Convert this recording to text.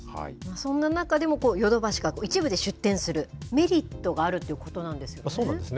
そんな中でもヨドバシが一部で出店するメリットがあるというそうなんですね。